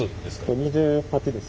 ２８です。